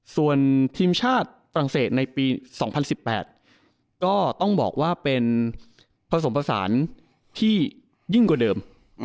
ส่วนทีมชาติฝรั่งเศสในปี๒๐๑๘ก็ต้องบอกว่าเป็นผสมผสานที่ยิ่งกว่าเดิม